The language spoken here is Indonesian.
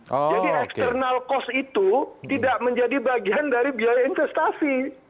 jadi eksternal cost itu tidak menjadi bagian dari biaya investasi